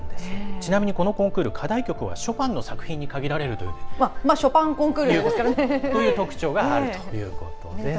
ちなみに、このコンクール課題曲はショパンの作品に限られるという特徴があるということです。